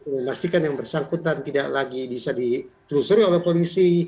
memastikan yang bersangkutan tidak lagi bisa ditelusuri oleh polisi